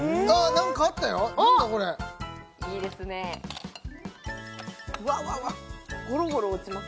何かあったえっ